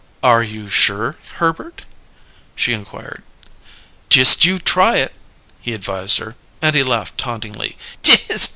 "Are you sure, Herbert?" she inquired. "Just you try it!" he advised her, and he laughed tauntingly.